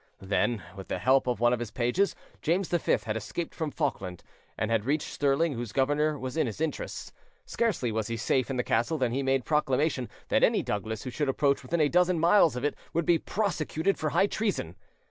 Then, with the help of one of his pages, James V had escaped from Falkland, and had reached Stirling, whose governor was in his interests. Scarcely was he safe in the castle than he made proclamation that any Douglas who should approach within a dozen miles of it would be prosecuted for high treason.